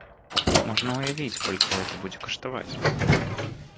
Можна ўявіць, колькі гэта будзе каштаваць.